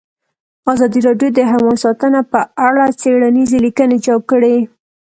ازادي راډیو د حیوان ساتنه په اړه څېړنیزې لیکنې چاپ کړي.